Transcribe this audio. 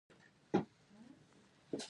له کلاوو، کورونو، ونو، کوڅو… ډزې کېدې.